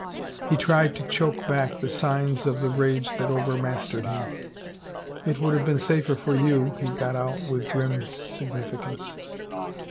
He tried to choke back the signs of the rage that overmastered him. " It would have been the safer for you," he got out, with grim sig nificance.